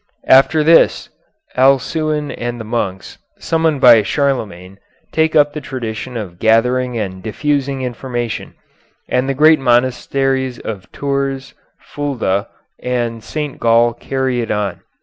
After this, Alcuin and the monks, summoned by Charlemagne, take up the tradition of gathering and diffusing information, and the great monasteries of Tours, Fulda, and St. Gall carry it on.